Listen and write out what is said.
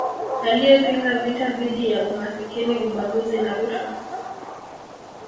Aliyepinga vita dhidi ya umasikini ubaguzi na rushwa